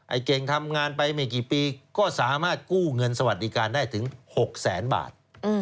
เก่งทำงานไปไม่กี่ปีก็สามารถกู้เงินสวัสดิการได้ถึง๖แสนบาท